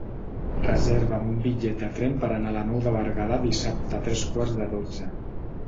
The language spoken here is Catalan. Reserva'm un bitllet de tren per anar a la Nou de Berguedà dissabte a tres quarts de dotze.